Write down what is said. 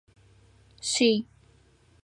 Шъий.